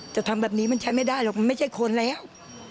ทำแบบนี้มันใช้ไม่ได้หรอกมันไม่ใช่คนแล้ว